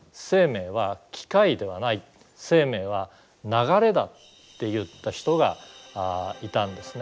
それはですねって言った人がいたんですね。